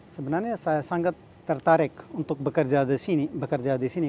sebenarnya saya sangat tertarik untuk bekerja di sini